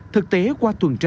thực tế qua tuần tra